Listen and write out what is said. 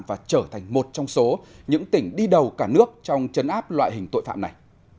và trở thành một trong số những tỉnh đi đầu cả nước trong chấn áp loại hình tội phạm này